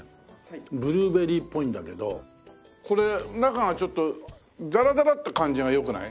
ブルーベリーっぽいんだけどこれ中がちょっとザラザラって感じがよくない？